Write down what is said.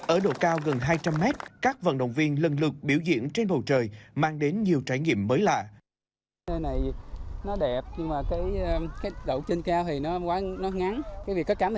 ở độ cao gần hai trăm linh mét các vận động viên lần lượt biểu diễn trên bầu trời mang đến nhiều trải nghiệm mới lạ